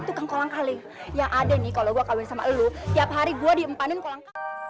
tukang kolang kali yang ada nih kalau gua kawin sama elu tiap hari gua diempanin kolang